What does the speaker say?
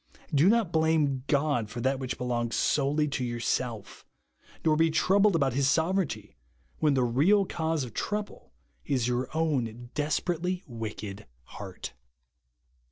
Bo not blame God for that which belongs solely to yourself ; nor be troubled about His sovereignty when the real cause of trouble is your own desperately wicked heart.